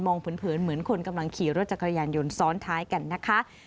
เผินเหมือนคนกำลังขี่รถจักรยานยนต์ซ้อนท้ายกันนะคะ